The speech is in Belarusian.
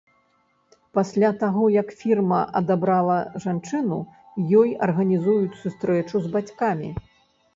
Пасля таго як фірма адабрала жанчыну, ёй арганізуюць сустрэчу з бацькамі.